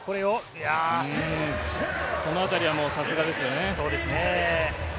このあたりはさすがですよね。